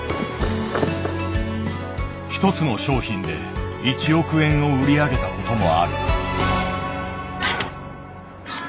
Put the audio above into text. ひとつの商品で１億円を売り上げたこともある。